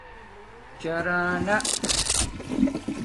چرانݳ